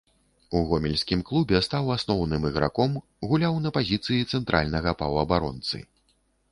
У гомельскім клубе стаў асноўным іграком, гуляў на пазіцыі цэнтральнага паўабаронцы.